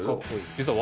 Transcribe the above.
実は。